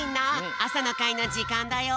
あさのかいのじかんだよ！